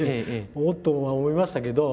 「おっ？」とは思いましたけど